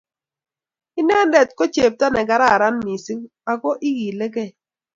inendet ko chepto ne kararan mising, ako ikilikei.